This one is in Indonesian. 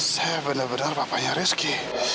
saya benar benar bapaknya rizky